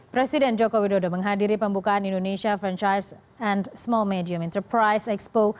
presiden joko widodo menghadiri pembukaan indonesia franchise and small medium enterprise expo